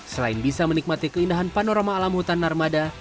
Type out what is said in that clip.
selain bisa menikmati keindahan panorama alam hutan narmada